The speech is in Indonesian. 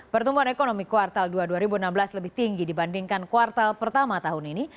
pertumbuhan ekonomi kuartal dua dua ribu enam belas lebih tinggi dibandingkan kuartal pertama tahun ini